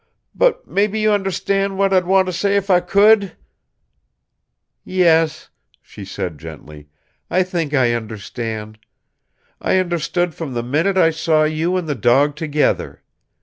But maybe you und'stand what I'd want to say if I could?" "Yes," she said gently. "I think I understand. I understood from the minute I saw you and the dog together.